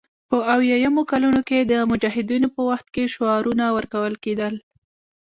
په اویایمو کلونو کې د مجاهدینو په وخت کې شعارونه ورکول کېدل